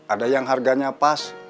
ada yang harganya pas